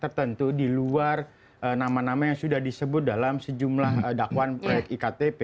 tertentu di luar nama nama yang sudah disebut dalam sejumlah dakwaan proyek iktp